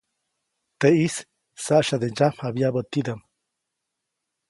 Teʼis saʼsyade ndsyamjabyabä tidaʼm.